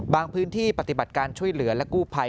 พื้นที่ปฏิบัติการช่วยเหลือและกู้ภัย